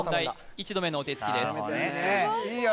一度目のお手つきですいいよ